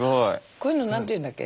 こういうの何ていうんだっけ？